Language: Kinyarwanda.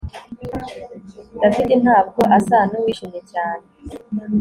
David ntabwo asa nuwishimye cyane